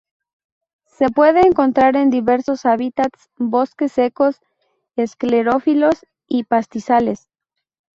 Se puede encontrar en diversos hábitats: bosques secos esclerófilos y pastizales.